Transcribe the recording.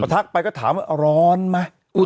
พอทักไปก็ถามว่าร้อนม่ะ